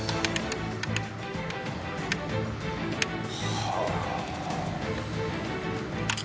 はあ。